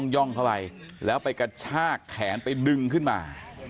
่องเข้าไปแล้วไปกระชากแขนไปดึงขึ้นมา